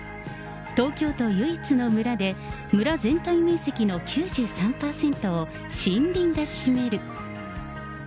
東京都唯一の村で、村全体面積の９３％を森林が占める。